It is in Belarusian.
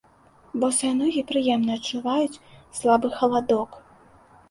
Босыя ногі прыемна адчуваюць слабы халадок.